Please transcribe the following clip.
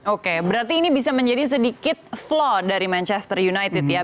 oke berarti ini bisa menjadi sedikit flow dari manchester united ya